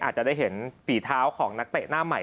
อาจจะได้เห็นฝีเท้าของนักเตะหน้าใหม่